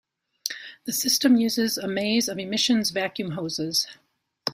The system uses a maze of emissions vacuum hoses.